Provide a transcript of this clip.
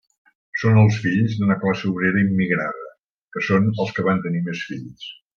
Són els fills d'una classe obrera immigrada, que són els que van tenir més fills.